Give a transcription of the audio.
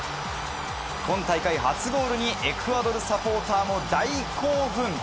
今大会初ゴールにエクアドルサポーターも大興奮！